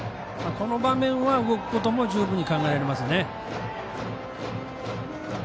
この場面は動くことも十分に考えられますね。